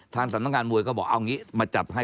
สำนักงานมวยก็บอกเอาอย่างนี้มาจับให้